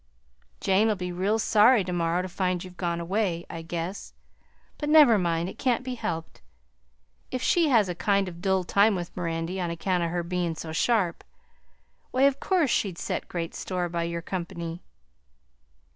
"Jane'll be real sorry to morrow to find you've gone away, I guess; but never mind, it can't be helped. If she has a kind of a dull time with Mirandy, on account o' her bein' so sharp, why of course she'd set great store by your comp'ny.